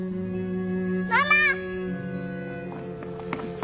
ママ！